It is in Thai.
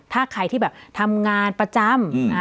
ถ้าใครที่แบบทำงานประจำ